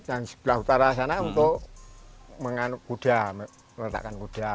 sebelah utara sana untuk menganuk kuda meletakkan kuda